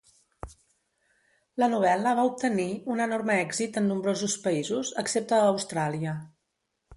La novel·la va obtenir un enorme èxit en nombrosos països excepte a Austràlia.